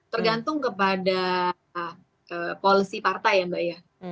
tergantung kepada polisi partai ya mbak ya